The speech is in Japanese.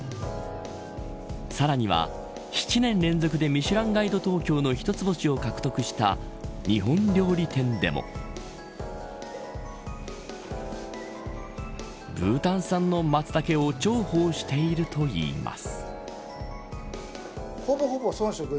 さらには７年連続でミシュランガイド東京の一つ星を獲得した日本料理店でもブータン産のマツタケを重宝しているといいます。